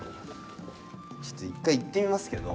ちょっと一回いってみますけど。